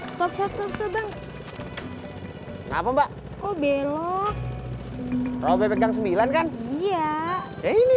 stop stop stop stop bang ngapain mbak oh belok robek yang sembilan kan iya ya ini